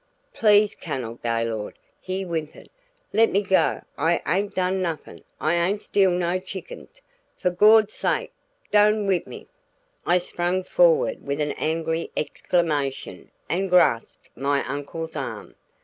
"Please, Cunnel Gaylord," he whimpered, "le' me go! I ain't done nuffen. I ain't steal no chickens. For Gord's sake, doan whip me!" I sprang forward with an angry exclamation and grasped my uncle's arm.